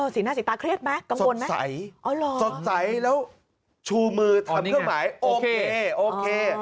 สีหน้าสีตาเครียดไหมกังวลไหมสดใสแล้วชูมือทำเครื่องหมายโอเคโอเค